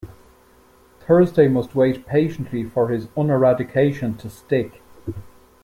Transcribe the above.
Thursday must wait patiently for his un-eradication to "stick".